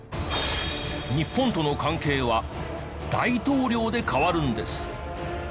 日本との関係は大統領で変わるんです。